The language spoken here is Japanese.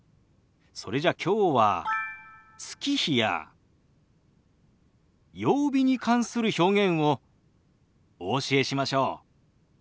それじゃきょうは月日や曜日に関する表現をお教えしましょう。